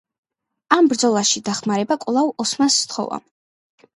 ამ ბრძოლაში დახმარება კვლავ ოსმანს სთხოვა.